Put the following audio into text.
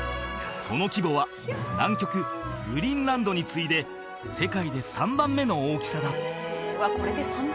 その規模は南極グリーンランドに次いで世界で３番目の大きさだ